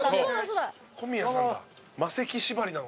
小宮さんだ。